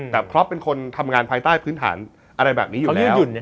แต่พล็อปเป็นคนทำงานภายใต้พื้นฐานอะไรแบบนี้อยู่แล้ว